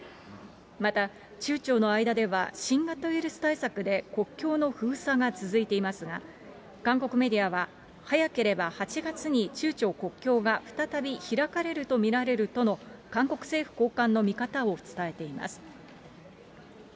また、中朝の間では新型ウイルス対策で、国境の封鎖が続いていますが、韓国メディアは、早ければ８月に、中朝国境が再び開かれると見られるとの韓国政府高官の見方を伝えています。